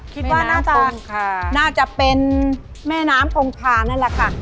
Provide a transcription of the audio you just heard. คิดว่าน่าจะน่าจะเป็นแม่น้ำคงคานั่นแหละค่ะ